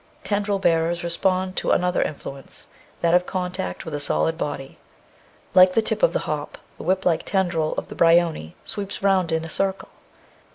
Tendril bearers respond to another influence, that of contact with a solid body. Like the tip of the hop, the whip like tendril of the bryony sweeps round in a circle.